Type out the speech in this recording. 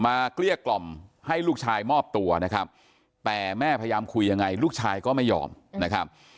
เกลี้ยกล่อมให้ลูกชายมอบตัวนะครับแต่แม่พยายามคุยยังไงลูกชายก็ไม่ยอมนะครับ